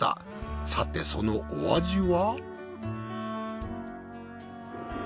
さてそのお味は？